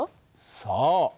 そう。